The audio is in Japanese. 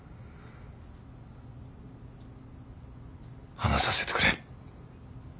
話させてくれ。